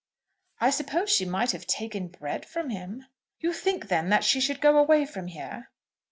"I suppose she might have taken bread from him." "You think, then, that she should go away from here?"